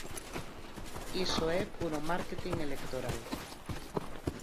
Iso é puro márketing electoral.